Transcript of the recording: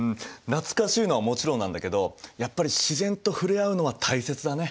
懐かしいのはもちろんなんだけどやっぱり自然と触れ合うのは大切だね。